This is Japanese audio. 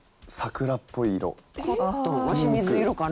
わし水色かな？